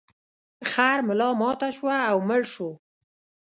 خر ملا ماته شوه او مړ شو.